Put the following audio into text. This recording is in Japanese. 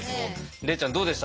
礼ちゃんどうでした？